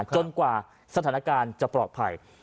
กว่าสถานการณ์จะปลอดภัย